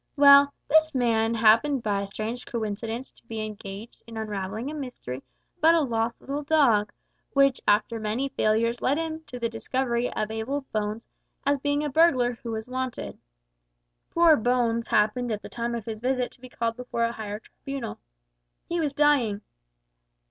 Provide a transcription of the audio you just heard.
"Well, this man happened by a strange coincidence to be engaged in unravelling a mystery about a lost little dog, which after many failures led him to the discovery of Abel Bones as being a burglar who was wanted. Poor Bones happened at the time of his visit to be called before a higher tribunal. He was dying.